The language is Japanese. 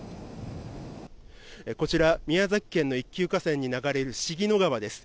こちら宮崎県の一級河川に流れる鴫野川です。